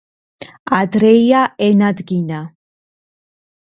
ადრეია ენადგინა